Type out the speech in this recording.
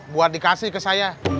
buat dikasih ke saya